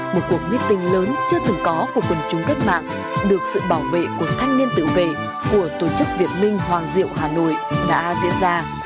một cuộc meeting lớn chưa từng có của quần chúng cách mạng được sự bảo vệ của thanh niên tự vệ của tổ chức việt minh hoàng diệu hà nội đã diễn ra